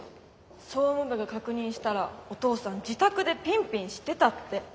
総務部が確認したらお父さん自宅でピンピンしてたって。